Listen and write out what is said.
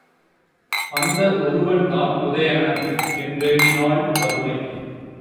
அந்த ஒருவன்தான் உதயணன்! என்றெண்ணினாள் பதுமை.